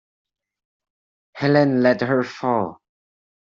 Helene let her fall.